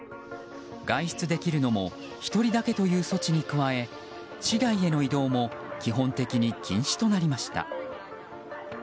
外出できるのも１人だけという措置に加え市外への移動も基本的に禁止となりました。